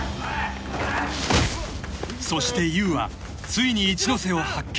［そして優はついに一ノ瀬を発見］